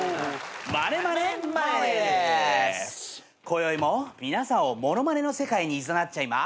こよいも皆さんをモノマネの世界にいざなっちゃいま。